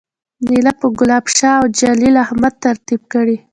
میله به ګلاب شاه اوجلیل احمد ترتیب کړي